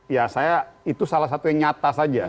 ya saya itu salah satu yang nyata saja